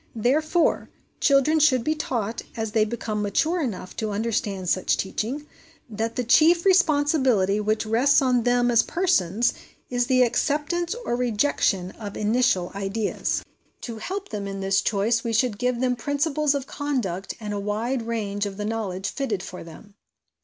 Therefore children should be taught, as they become mature enough to understand such teaching, that the chief responsibility which rests on them as persons is the acceptance or rejection of initial ideas. PREFACE TO THE ' HOME EDUCATION ' SERIES XVli To help them in this choice we should give them principles of conduct and a wide range of the knowledge fitted for them.